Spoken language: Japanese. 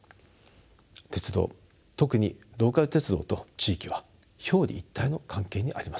鉄道特にローカル鉄道と地域は表裏一体の関係にあります。